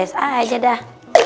dores aja dah